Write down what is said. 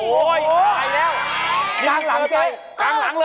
กลางหลังเลยเหรอ